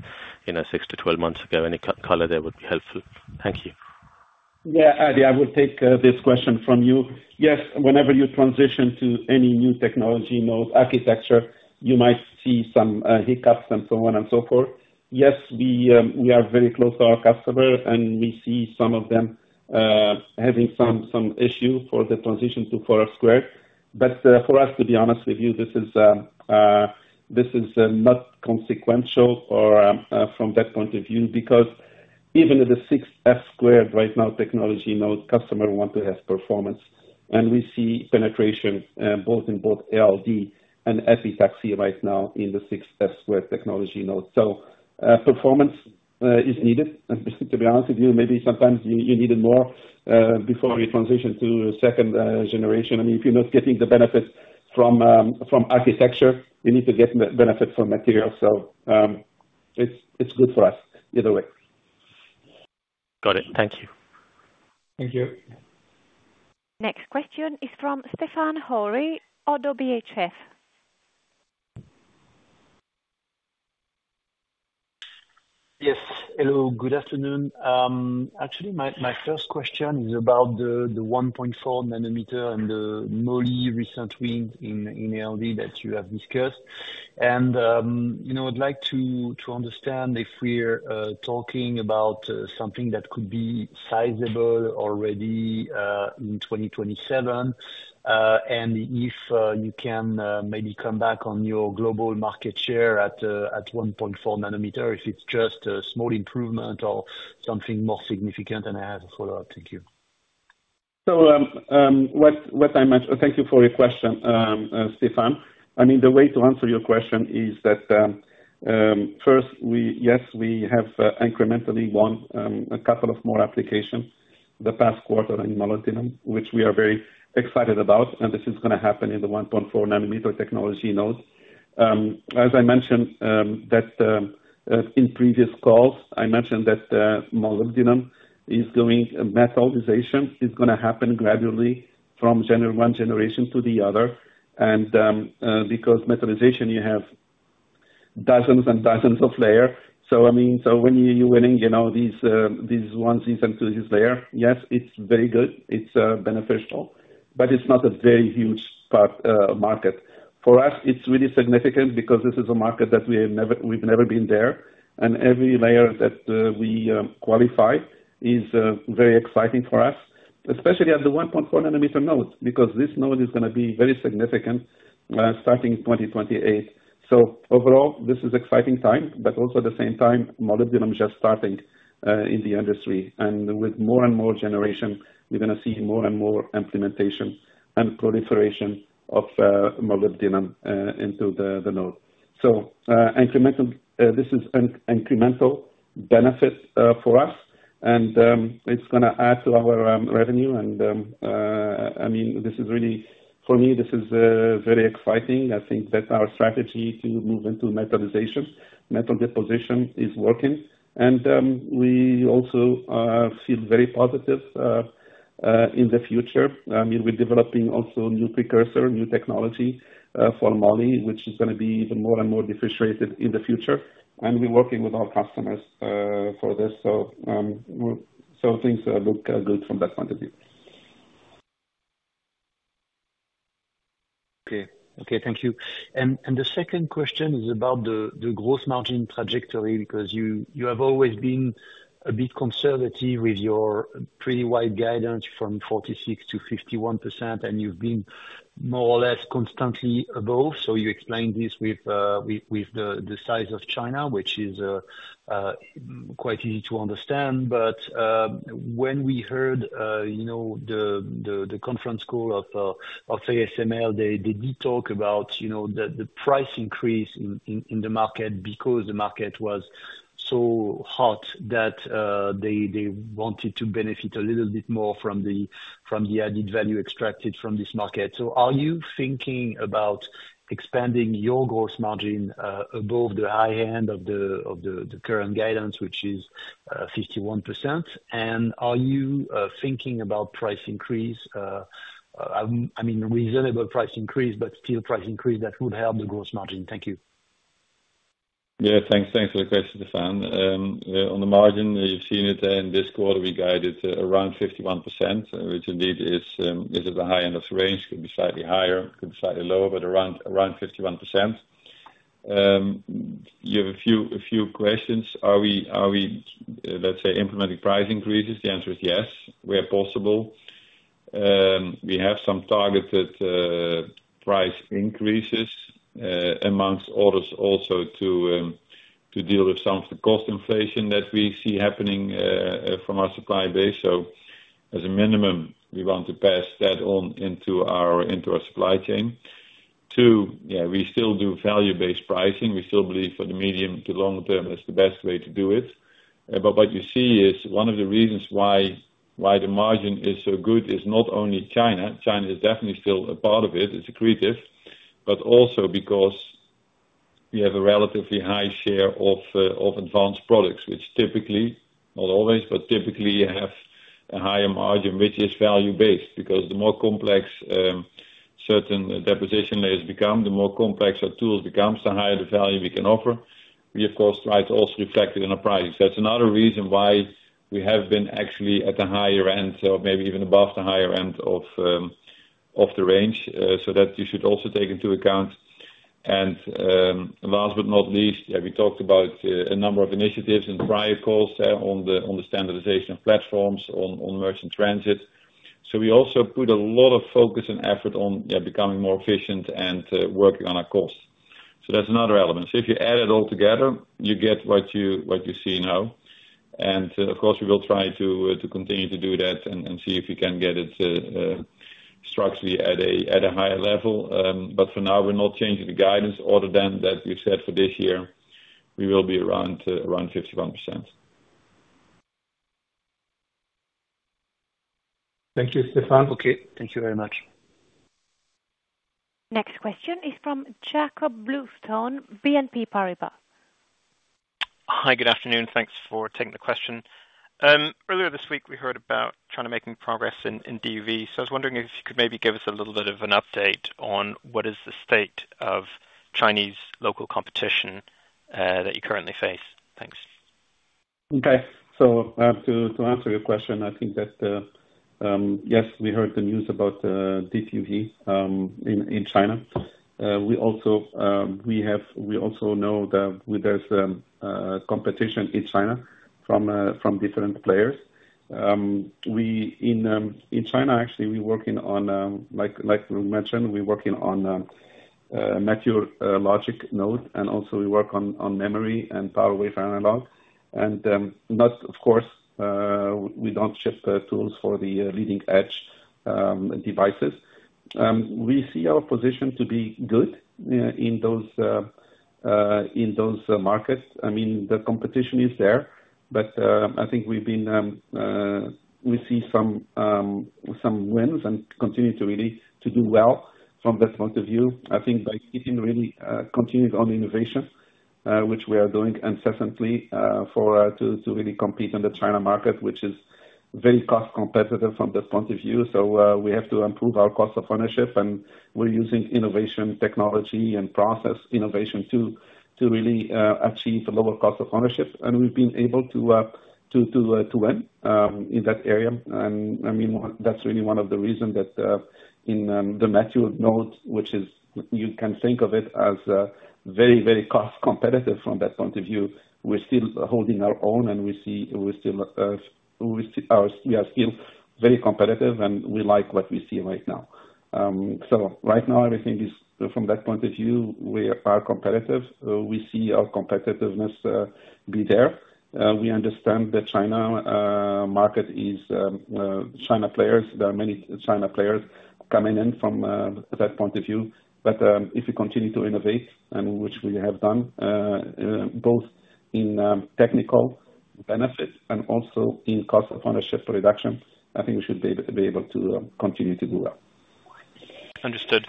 six to 12 months ago. Any color there would be helpful. Thank you. Yeah, Adithya, I will take this question from you. Whenever you transition to any new technology mode architecture, you might see some hiccups and so on and so forth. Yes, we are very close to our customer, and we see some of them having some issue for the transition to 4F-squared. To be honest with you, this is not consequential from that point of view, because even at the 6F-squared right now technology mode, customer want to have performance. We see penetration, both in both ALD and epitaxy right now in the 6F-squared technology node. Performance is needed. To be honest with you, maybe sometimes you need it more before you transition to second generation. If you're not getting the benefit from architecture, you need to get benefit from material. It's good for us either way. Got it. Thank you. Thank you. Next question is from Stéphane Houri, Oddo BHF. Yes. Hello, good afternoon. Actually, my first question is about the 1.4nm and the moly recent win in ALD that you have discussed. I'd like to understand if we're talking about something that could be sizable already in 2027. If you can maybe come back on your global market share at 1.4nm, if it's just a small improvement or something more significant, and I have a follow-up. Thank you. Thank you for your question, Stéphane. The way to answer your question is that, first, yes, we have incrementally won a couple of more applications the past quarter in molybdenum, which we are very excited about, and this is going to happen in the 1.4nm technology node. As I mentioned that in previous calls, I mentioned that molybdenum is doing metallization, is going to happen gradually from one generation to the other. Because metallization, you have dozens and dozens of layer. When you're winning these ones into this layer, yes, it's very good. It's beneficial. It's not a very huge market. For us, it's really significant because this is a market that we've never been there, and every layer that we qualify is very exciting for us, especially at the 1.4nm node, because this node is going to be very significant starting 2028. Overall, this is exciting time, but also at the same time, molybdenum just starting in the industry. With more and more generation, we're going to see more and more implementation and proliferation of molybdenum into the node. This is an incremental benefit for us, and it's going to add to our revenue, and for me, this is very exciting. I think that our strategy to move into metallization, metal deposition is working. We also feel very positive in the future. We're developing also new precursor, new technology for moly, which is going to be even more and more differentiated in the future. We're working with our customers for this. Things look good from that point of view. Okay. Thank you. The second question is about the gross margin trajectory, because you have always been a bit conservative with your pretty wide guidance from 46%-51%, and you've been more or less constantly above. You explained this with the size of China, which is quite easy to understand. When we heard the conference call of ASML, they did talk about the price increase in the market because the market was so hot that they wanted to benefit a little bit more from the added value extracted from this market. Are you thinking about expanding your gross margin above the high end of the current guidance, which is 51%? Are you thinking about price increase? Reasonable price increase but still price increase that would help the gross margin. Thank you. Yeah. Thanks for the question, Stéphane. On the margin, you've seen it in this quarter, we guided around 51%, which indeed is at the high end of the range. Could be slightly higher, could be slightly lower, but around 51%. You have a few questions. Are we, let's say, implementing price increases? The answer is yes, where possible. We have some targeted price increases amongst orders also to deal with some of the cost inflation that we see happening from our supply base. As a minimum, we want to pass that on into our supply chain. Two. We still do value-based pricing. We still believe for the medium to long term, that's the best way to do it. What you see is one of the reasons why the margin is so good is not only China is definitely still a part of it's accretive, but also because we have a relatively high share of advanced products, which typically, not always, but typically have a higher margin, which is value-based. The more complex certain deposition layers become, the more complex our tools becomes, the higher the value we can offer. We, of course, try to also reflect it in our pricing. That's another reason why we have been actually at the higher end, or maybe even above the higher end of the range. That you should also take into account. Last but not least, we talked about a number of initiatives in prior calls on the standardization of platforms on merchant transit. We also put a lot of focus and effort on becoming more efficient and working on our costs. That's another element. If you add it all together, you get what you see now. Of course, we will try to continue to do that and see if we can get it structurally at a higher level. For now, we're not changing the guidance other than that we've said for this year, we will be around 51%. Thank you, Stéphane. Okay. Thank you very much. Next question is from Jakob Bluestone, BNP Paribas. Hi, good afternoon. Thanks for taking the question. Earlier this week, we heard about China making progress in DUV. I was wondering if you could maybe give us a little bit of an update on what is the state of Chinese local competition that you currently face. Thanks. To answer your question, I think that, yes, we heard the news about DUV in China. We also know that there's competition in China from different players. In China, actually, like we mentioned, we working on mature logic node, and also we work on memory and power and analog. Not of course, we don't ship tools for the leading-edge devices. We see our position to be good in those markets. The competition is there, I think we see some wins and continue to really to do well from that point of view. I think by keeping really continued on innovation, which we are doing incessantly, to really compete in the China market, which is very cost competitive from that point of view. We have to improve our cost of ownership, and we're using innovation technology and process innovation to really achieve the lower cost of ownership. We've been able to win in that area. That's really one of the reasons that, in the mature nodes, which is you can think of it as very cost competitive from that point of view. We're still holding our own, and we are still very competitive, and we like what we see right now. Right now, everything is from that point of view, we are competitive. We see our competitiveness be there. We understand the China market is, China players. There are many China players coming in from that point of view. If we continue to innovate, and which we have done, both in technical benefits and also in cost of ownership reduction, I think we should be able to continue to do well. Understood.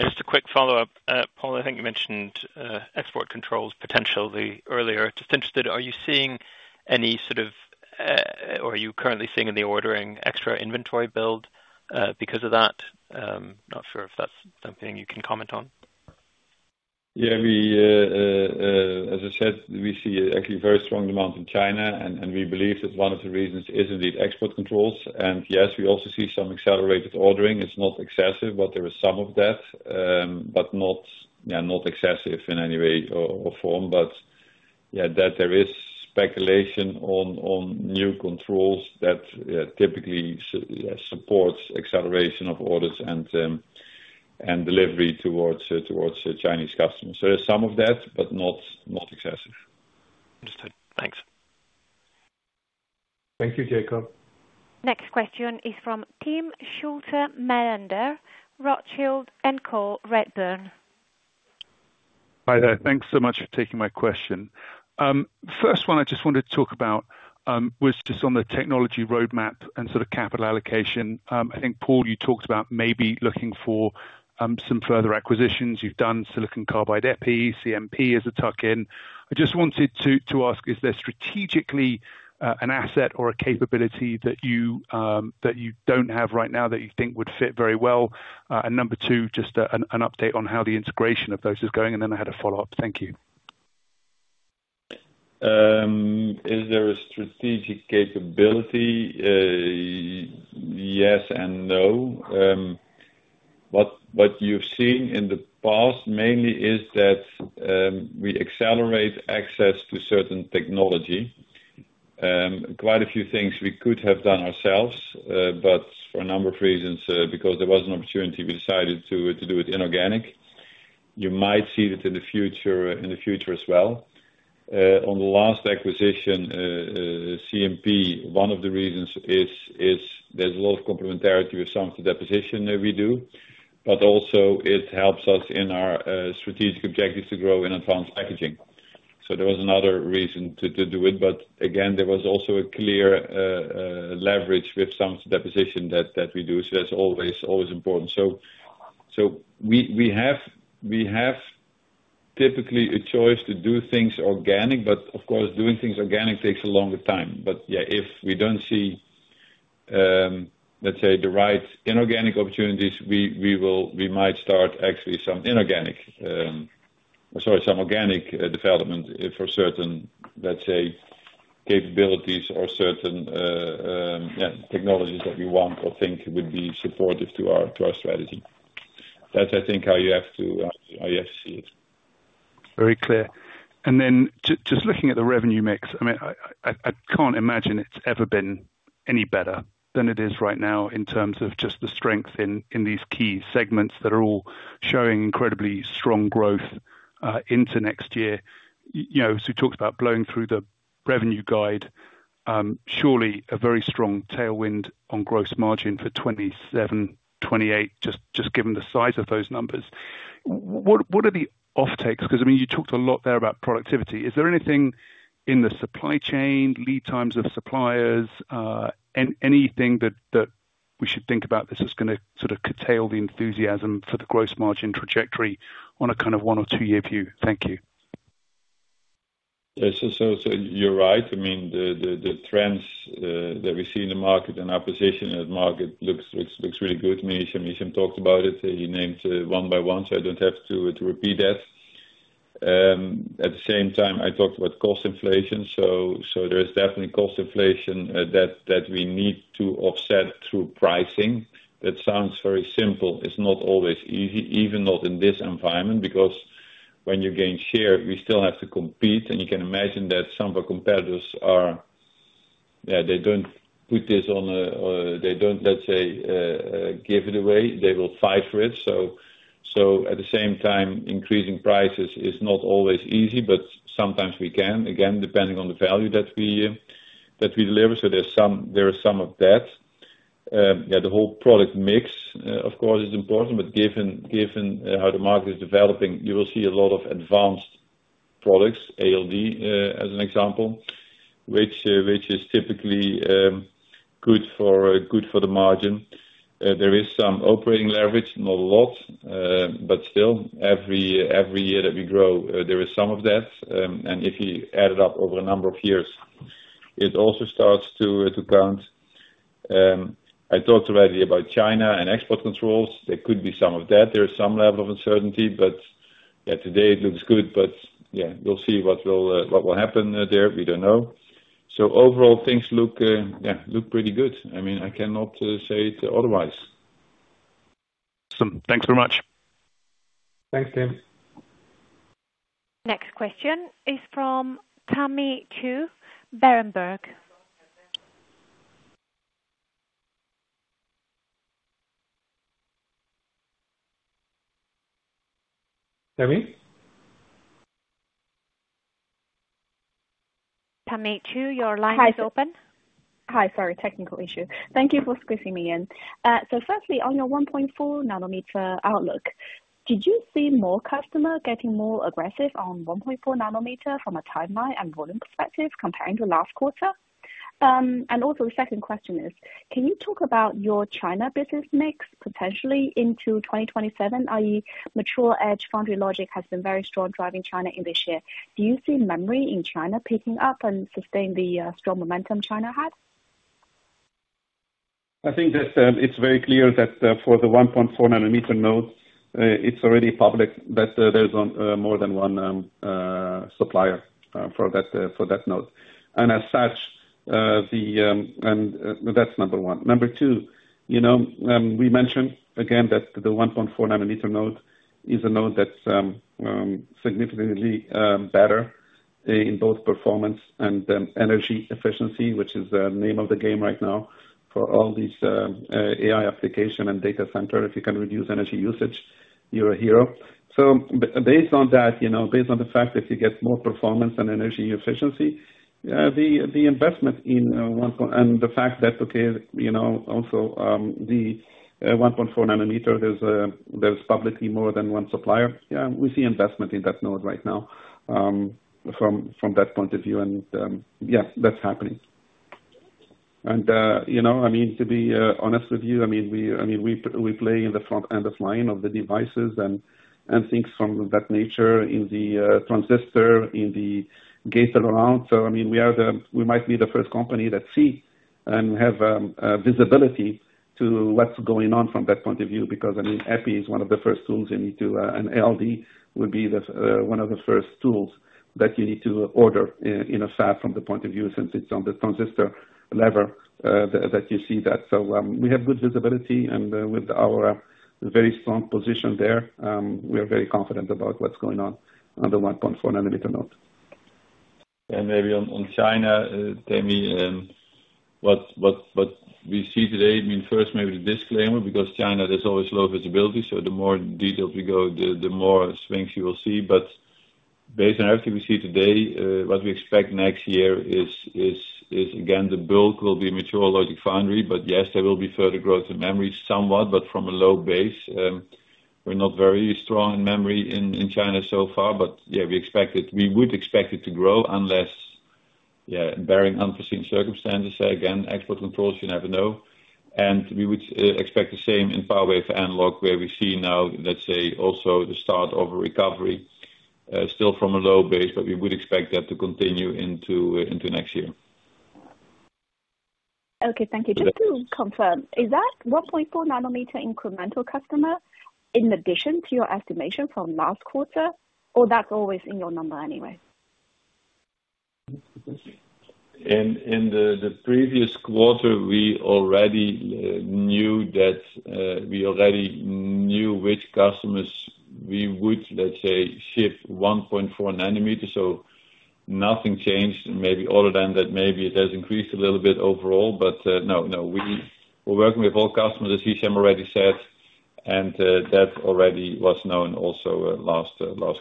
Just a quick follow-up. Paul, I think you mentioned export controls potentially earlier. Just interested, are you seeing any sort of, or are you currently seeing any ordering extra inventory build because of that? Not sure if that's something you can comment on. Yeah. As I said, we see actually very strong demand in China, and we believe that one of the reasons is indeed export controls. Yes, we also see some accelerated ordering. It's not excessive, but there is some of that. Not excessive in any way or form. Yeah, that there is speculation on new controls that typically supports acceleration of orders and delivery towards Chinese customers. There is some of that, but not excessive. Understood. Thanks. Thank you, Jakob. Next question is from Timm Schulze-Melander, Rothschild & Co Redburn. Hi there. Thanks so much for taking my question. First one I just wanted to talk about, was just on the technology roadmap and sort of capital allocation. I think, Paul, you talked about maybe looking for some further acquisitions. You've done silicon carbide epitaxy, CMP as a tuck-in. I just wanted to ask, is there strategically an asset or a capability that you don't have right now that you think would fit very well? Number two, just an update on how the integration of those is going, and then I had a follow-up. Thank you. Is there a strategic capability? Yes and no. What you've seen in the past mainly is that we accelerate access to certain technology. Quite a few things we could have done ourselves, for a number of reasons, because there was an opportunity, we decided to do it inorganic. You might see that in the future as well. On the last acquisition, CMP, one of the reasons is there's a lot of complementarity with some of the deposition that we do, also it helps us in our strategic objectives to grow in Advanced packaging. That was another reason to do it. Again, there was also a clear leverage with some deposition that we do. That's always important. We have typically a choice to do things organic, of course, doing things organic takes a longer time. Yeah, if we don't see, let's say, the right inorganic opportunities, we might start actually some organic development for certain, let's say, capabilities or certain technologies that we want or think would be supportive to our strategy. That's, I think, how you have to see it. Very clear. Just looking at the revenue mix, I can't imagine it's ever been any better than it is right now in terms of just the strength in these key segments that are all showing incredibly strong growth into next year. You talked about blowing through the revenue guide, surely a very strong tailwind on gross margin for 2027, 2028, just given the size of those numbers. What are the off takes? Because you talked a lot there about productivity. Is there anything in the supply chain, lead times of suppliers, anything that we should think about that's just going to sort of curtail the enthusiasm for the gross margin trajectory on a kind of one or two-year view? Thank you. You're right. The trends that we see in the market and our position in the market looks really good. Hichem talked about it. He named one by one, so I don't have to repeat that. At the same time, I talked about cost inflation. There is definitely cost inflation that we need to offset through pricing. That sounds very simple. It's not always easy, even not in this environment, because when you gain share, we still have to compete, and you can imagine that some of our competitors don't, let's say, give it away. They will fight for it. At the same time, increasing prices is not always easy, but sometimes we can, again, depending on the value that we deliver. There is some of that. The whole product mix, of course, is important, but given how the market is developing, you will see a lot of advanced products, ALD as an example, which is typically good for the margin. There is some operating leverage, not a lot, but still every year that we grow, there is some of that. If you add it up over a number of years, it also starts to count. I talked already about China and export controls. There could be some of that. There is some level of uncertainty, but today it looks good. Yeah, we'll see what will happen there. We don't know. Overall things look pretty good. I cannot say it otherwise. Awesome. Thanks very much. Thanks, Timm. Next question is from Tammy Qiu, Berenberg. Tammy? Tammy Qiu, your line is open. Hi. Sorry, technical issue. Thank you for squeezing me in. Firstly, on your 1.4nm outlook, did you see more customer getting more aggressive on 1.4nm from a timeline and volume perspective compared to last quarter? Also, the second question is, can you talk about your China business mix potentially into 2027, i.e. mature edge foundry logic has been very strong driving China in this year. Do you see memory in China picking up and sustain the strong momentum China had? I think that it's very clear that for the 1.4nm node, it's already public that there's more than one supplier for that node. As such, that's number one. Number two, we mentioned again that the 1.4nm node is a node that's significantly better in both performance and energy efficiency, which is the name of the game right now for all these AI application and data center. If you can reduce energy usage, you're a hero. Based on that, based on the fact that you get more performance and energy efficiency, and the fact that, okay, also the 1.4nm, there's publicly more than one supplier. Yeah, we see investment in that node right now from that point of view. Yeah, that's happening. To be honest with you, we play in the front end of line of the devices and things from that nature in the transistor, in the gate around. We might be the first company that see We have visibility to what's going on from that point of view, because EPI is one of the first tools you need to And ALD will be one of the first tools that you need to order in a fab from the point of view, since it's on the transistor level, that you see that. We have good visibility, and with our very strong position there, we are very confident about what's going on under 1.4nm node. Maybe on China, Tammy, what we see today, first maybe the disclaimer, because China, there's always low visibility, so the more detailed we go, the more swings you will see. Based on everything we see today, what we expect next year is, again, the bulk will be mature logic/foundry. Yes, there will be further growth in memory somewhat, but from a low base. We're not very strong in memory in China so far. Yeah, we would expect it to grow unless, barring unforeseen circumstances, again, export controls, you never know. We would expect the same in power, wafer, and analog, where we see now, let's say, also the start of a recovery. Still from a low base, we would expect that to continue into next year. Okay, thank you. Just to confirm, is that 1.4nm incremental customer in addition to your estimation from last quarter? Or that's always in your number anyway? In the previous quarter, we already knew which customers we would, let's say, ship 1.4nm. Nothing changed. Maybe other than that, maybe it has increased a little bit overall, but no, we're working with all customers, as Hichem already said, and that already was known also last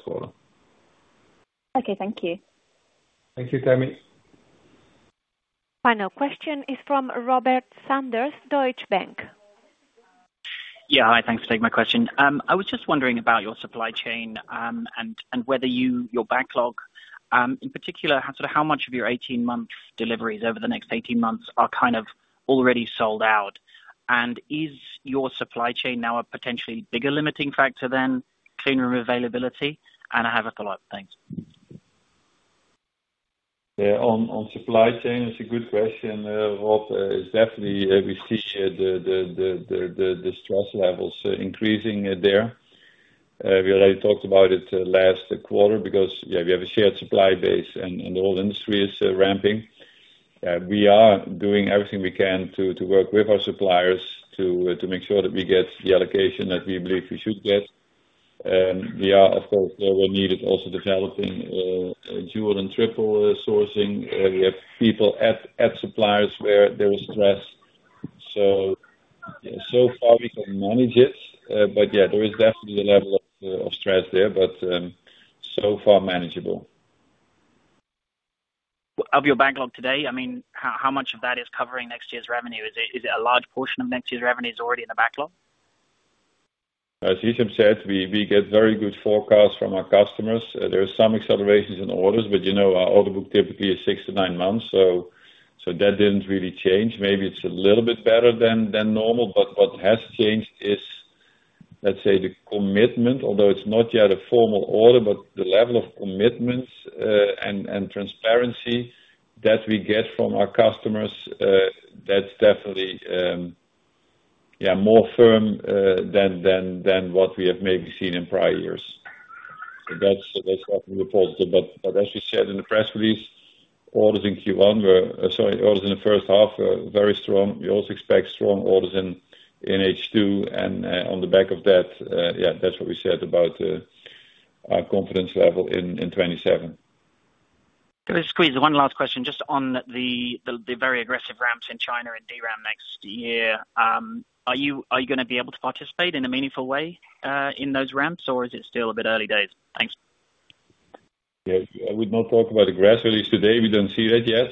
quarter. Okay, thank you. Thank you, Tammy. Final question is from Robert Sanders, Deutsche Bank. Yeah. Hi, thanks for taking my question. I was just wondering about your supply chain, whether your backlog, in particular, how much of your 18-month deliveries over the next 18 months are kind of already sold out? Is your supply chain now a potentially bigger limiting factor than clean room availability? I have a follow-up. Thanks. Yeah, on supply chain, it's a good question, Robert. Definitely, we see the stress levels increasing there. We already talked about it last quarter, because we have a shared supply base, and the whole industry is ramping. We are doing everything we can to work with our suppliers to make sure that we get the allocation that we believe we should get. We are, of course, where needed, also developing dual and triple sourcing. We have people at suppliers where there is stress. Far we can manage it. Yeah, there is definitely a level of stress there, but so far manageable. Of your backlog today, how much of that is covering next year's revenue? Is it a large portion of next year's revenue is already in the backlog? As Hichem said, we get very good forecast from our customers. There is some accelerations in orders. Our order book typically is six to nine months, so that didn't really change. Maybe it's a little bit better than normal. What has changed is, let's say, the commitment, although it's not yet a formal order, but the level of commitments and transparency that we get from our customers, that's definitely more firm than what we have maybe seen in prior years. That's often reported. As we said in the press release, orders in the first half are very strong. We also expect strong orders in H2, and on the back of that's what we said about our confidence level in 2027. Can I squeeze one last question just on the very aggressive ramps in China and DRAM next year. Are you going to be able to participate in a meaningful way in those ramps, or is it still a bit early days? Thanks. Yeah. I would not talk about aggressive release today. We don't see that yet.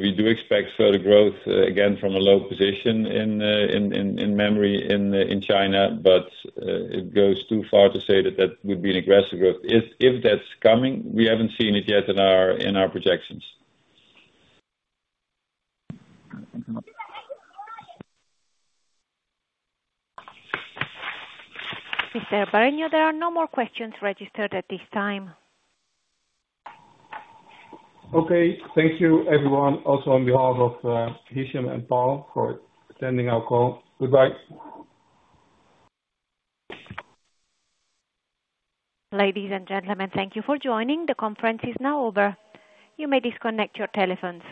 We do expect further growth, again, from a low position in memory in China. It goes too far to say that that would be an aggressive growth. If that's coming, we haven't seen it yet in our projections. Thank you very much. Mr. Bareño, there are no more questions registered at this time. Okay. Thank you, everyone, also on behalf of Hichem and Paul for attending our call. Goodbye. Ladies and gentlemen, thank you for joining. The conference is now over. You may disconnect your telephones.